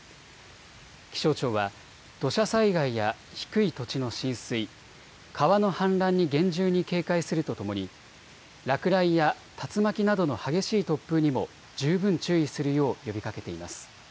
気象庁は土砂災害や低い土地の浸水、川の氾濫に厳重に警戒するとともに落雷や竜巻などの激しい突風にも十分注意するよう呼びかけています。